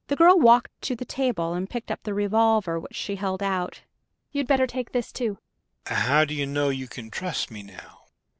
The girl walked to the table and picked up the revolver, which she held out. "You'd better take this, too." "How do you know you can trust me now?"